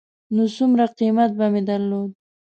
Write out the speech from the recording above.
نو څومره قېمت به مې درلود.